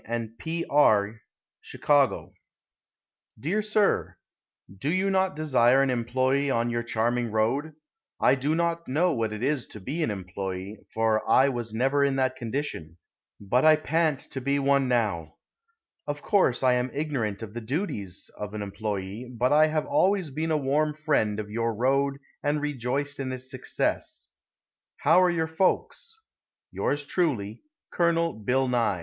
& P. R'y, Chicago. Dear Sir: Do you not desire an employe on your charming road? I do not know what it is to be an employe, for I was never in that condition, but I pant to be one now. Of course I am ignorant of the duties of an employe, but I have always been a warm friend of your road and rejoiced in its success. How are your folks? Yours truly, COL. BILL NYE.